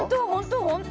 本当？